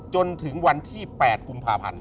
จนถึงวันที่๘กุมภาพันธ์